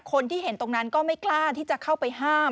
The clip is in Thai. คนที่เห็นตรงนั้นก็ไม่กล้าที่จะเข้าไปห้าม